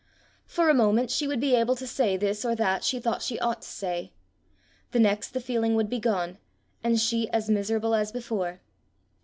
For a moment she would be able to say this or that she thought she ought to say; the next the feeling would be gone, and she as miserable as before.